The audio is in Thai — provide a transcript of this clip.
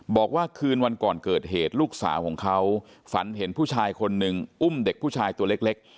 บอกว่าคืนวันก่อนเกิดเหตุลูกสาวของเขาฝันเห็นผู้ชายคนหนึ่งอุ้มเด็กผู้ชายตัวเล็ก